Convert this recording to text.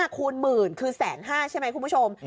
คูณหมื่นคือ๑๕๐๐ใช่ไหมคุณผู้ชม